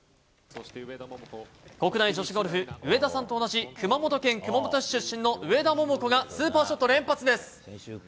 国内女子ゴルフ、上田さんと同じ熊本県熊本市出身の上田桃子がスーパーショット連発です。